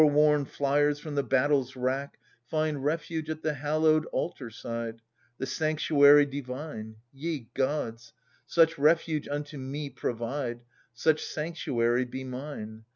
The war worn fliers from the battle's wrack Find refuge at the hallowed altar side, The sanctuary divine, — Ye gods ! such refuge unto me provide — __3uch sanctuary be mine